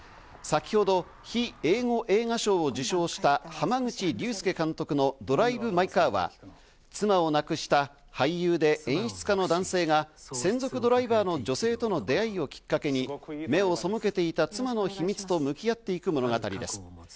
先ほど非英語映画賞を受賞した濱口竜介監督の『ドライブ・マイ・カー』は妻を亡くした俳優で演出家の男性が専属ドライバーの女性との出会いをきっかけに目を背けていた妻の秘密と向き合っていく物語です。